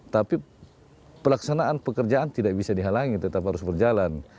tapi pelaksanaan pekerjaan tidak bisa dihalangi tetap harus berjalan